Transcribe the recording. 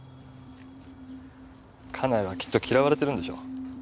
家内はきっと嫌われてるんでしょう。